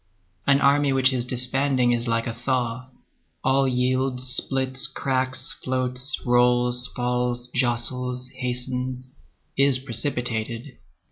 An army which is disbanding is like a thaw. All yields, splits, cracks, floats, rolls, falls, jostles, hastens, is precipitated.